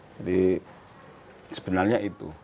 jadi sebenarnya itu